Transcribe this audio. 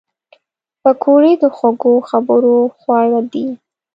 پکورې د خوږو خبرو خواړه دي